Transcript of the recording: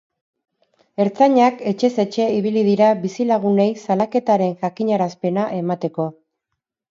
Ertzainak etxez etxe ibili dira bizilagunei salaketaren jakinarazpena emateko.